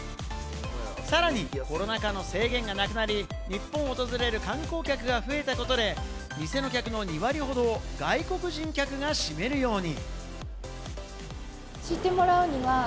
さらにコロナ禍の制限がなくなり、日本を訪れる観光客が増えたことで、店の客の２割ほどを外国人客が占めるように。